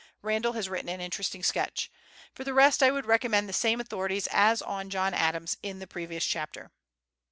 Randall has written an interesting sketch. For the rest, I would recommend the same authorities as on John Adams in the previous chapter.